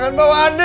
jangan bawa andi